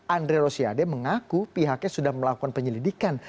andre rosiade mengaku pihaknya sudah melakukan penyelidikan